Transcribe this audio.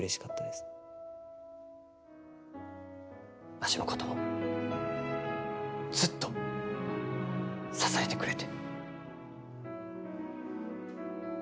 わしのこともずっと支えてくれて。